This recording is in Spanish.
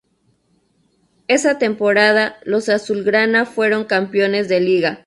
Esa temporada los azulgrana fueron campeones de liga.